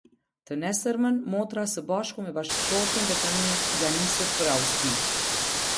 Të nesërmen motra së bashku me bashkëshortin dhe fëmijët janë nisur për Austri.